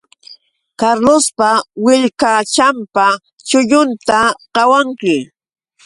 Carlospa willkachanpa chullunta qawanki